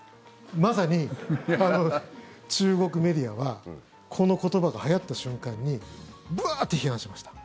まさに中国メディアはこの言葉がはやった瞬間にブワーッて批判しました。